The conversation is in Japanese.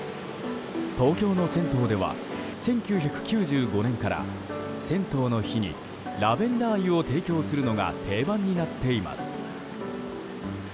東京の銭湯では１９９５年から銭湯の日にラベンダー湯を提供するのが定番になっています。